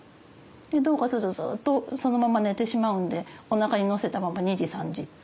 でどうかするとずっとそのまま寝てしまうんでおなかにのせたまま２時３時っていう。